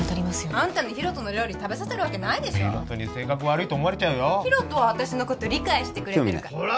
あんたに大翔の料理食べさせるわけないでしょ大翔に性格悪いと思われる大翔は私のこと理解してくれてる興味ないほら！